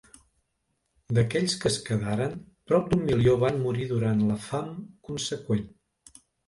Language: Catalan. D'aquells que es quedaren, prop d'un milió van morir durant la fam conseqüent.